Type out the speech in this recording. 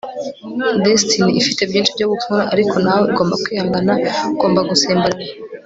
destiny ifite byinshi byo gukora, ariko nawe. ugomba kwihangana, ugomba gutsimbarara